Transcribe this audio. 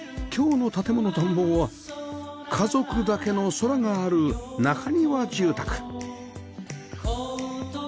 今日の『建もの探訪』は家族だけの空がある中庭住宅